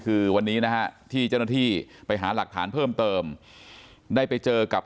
คือวันนี้นะฮะที่เจ้าหน้าที่ไปหาหลักฐานเพิ่มเติมได้ไปเจอกับ